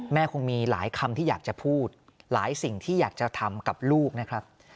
คงมีหลายคำที่อยากจะพูดหลายสิ่งที่อยากจะทำกับลูกนะครับ